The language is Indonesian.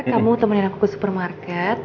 kamu temenin aku ke supermarket